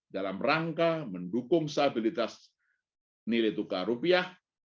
dalam rangka mendukung stabilitas nilai tukar rupiah